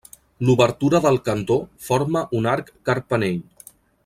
L'obertura del cantó forma un arc carpanell.